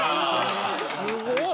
すごい。